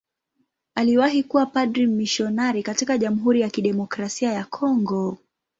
Aliwahi kuwa padri mmisionari katika Jamhuri ya Kidemokrasia ya Kongo.